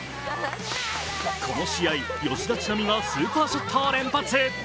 この試合、吉田知那美がスーパーショットを連発。